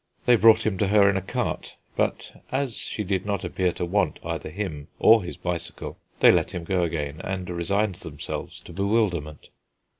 They brought him to her in a cart, but as she did not appear to want either him or his bicycle they let him go again, and resigned themselves to bewilderment.